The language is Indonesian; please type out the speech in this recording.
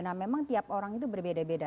nah memang tiap orang itu berbeda beda